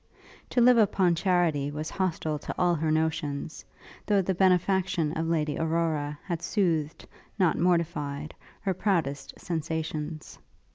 To live upon charity, was hostile to all her notions, though the benefaction of Lady Aurora had soothed, not mortified, her proudest sensations.